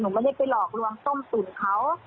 ไม่ได้ไปหลอกลวงต้มตุ๋นเขา